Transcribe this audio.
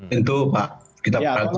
tentu pak kita perhatikan itu